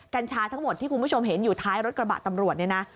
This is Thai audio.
กัญชาทั้งหมดที่คุณผู้ชมเห็นอยู่ท้ายรถกระบะตำรวจเนี่ยนะ